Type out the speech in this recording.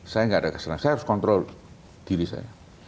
saya gak ada kesalahan saya harus control diri saya